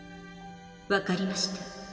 分かりました。